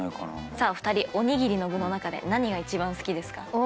お二人おにぎりの具の中で何が一番好きですか？